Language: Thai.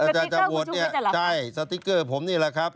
สติ๊กเกอร์คุณผู้ชมก็จะหลับใช่สติ๊กเกอร์ผมนี่แหละครับ